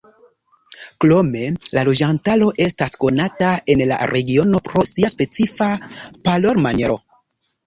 Krome la loĝantaro estas konata en la regiono pro sia specifa parolmaniero.